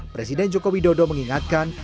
presiden jokowi dodo mengingatkan